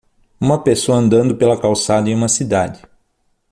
Uma pessoa andando pela calçada em uma cidade.